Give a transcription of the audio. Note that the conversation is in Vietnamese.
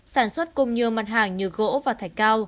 sản xuất cùng nhiều mặt hàng như gỗ và thạch cao